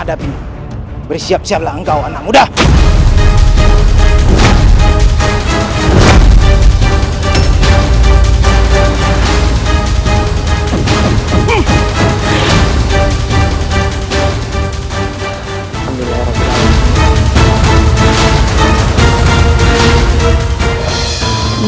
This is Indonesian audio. daripada grab for activity